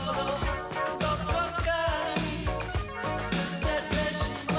どこかにすててしまおう」